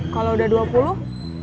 kalau udah dua puluh